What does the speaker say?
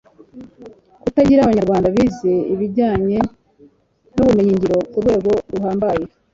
Kutagira abanyarwanda bize ibijyanye n’ubumenyi ngiro kurwego ruhambaye